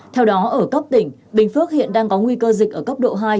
theo đó ở cấp tỉnh bình phước hiện đang có nguy cơ dịch ở cấp độ hai